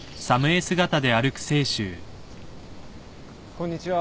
こんにちは。